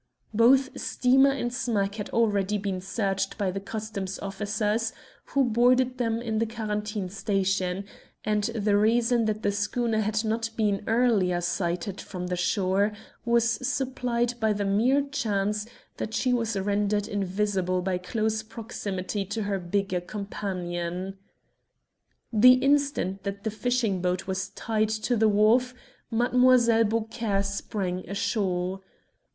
Both steamer and smack had already been searched by the Customs' officers, who boarded them in the quarantine station, and the reason that the schooner had not been earlier sighted from the shore was supplied by the mere chance that she was rendered invisible by close proximity to her bigger companion. The instant that the fishing boat was tied to the wharf, Mlle. Beaucaire sprang ashore.